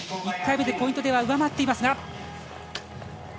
１回目のポイントでは上回っていますが。